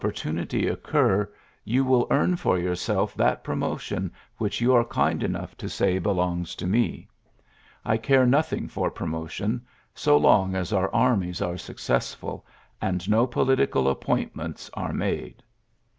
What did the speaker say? GEANT tunity occur, you will earn for yourself that promotiou which you are kind, enough to say belongs to me. I car^ nothing for promotion, so long as oui> armies are successfiil, and no politioal appointments are made."